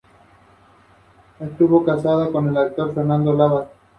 Estuvo casada con el actor Fernando Labat.